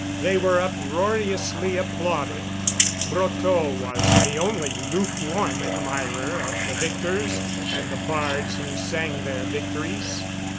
They were uproariously applauded. Brotteaux was the only lukewarm admirer of the victors and the bards who sang their victories.